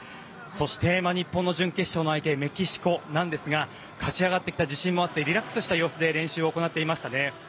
そして、日本の準決勝の相手メキシコなんですが勝ち上がってきた自信もあってリラックスした様子で練習を行っていましたね。